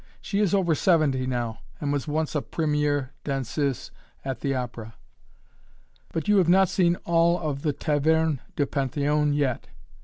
She is over seventy now, and was once a premier danseuse at the opera. But you have not seen all of the Taverne du Panthéon yet.